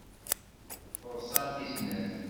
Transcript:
Ḍsant i snat.